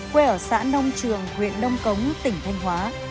quê ở xã nông trường huyện đông cống tỉnh thanh hóa